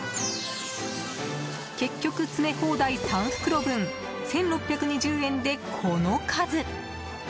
結局、詰め放題３袋分１６２０円でこの数！